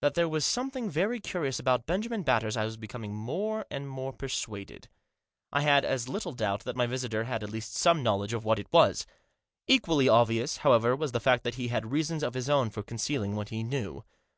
That there was something very curious about Benjamin Batters I was becoming more and more persuaded. I had as little doubt that my visitor had at least some knowledge of what it was. Equally obvious, however, was the fact that he had reasons of his own for concealing what he knew.